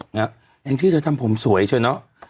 เนี่ยเองที่จะทำผมสวยเฉยเนาะ